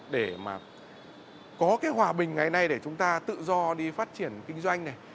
để mà có cái hòa bình ngày nay để chúng ta tự do đi phát triển kinh doanh này